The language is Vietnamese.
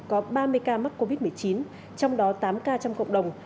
có ba mươi ca mắc covid một mươi chín trong đó tám ca trong cộng đồng